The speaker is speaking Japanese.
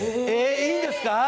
えいいんですか？